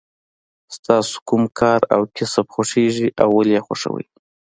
ستاسو کوم کار او کسب خوښیږي او ولې یې خوښوئ.